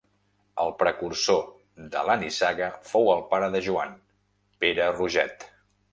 El precursor de la nissaga fou el pare de Joan, Pere Roget.